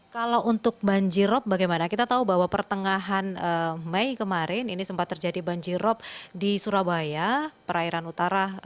kalau untuk banjirop bagaimana kita tahu bahwa pertengahan mei kemarin ini sempat terjadi banjirop di surabaya perairan utara